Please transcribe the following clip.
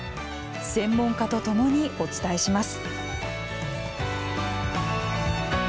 専門家とともにお伝えします。